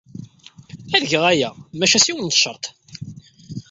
Ad geɣ aya, maca s yiwen n ccerḍ.